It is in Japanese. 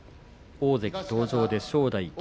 大関登場で正代、霧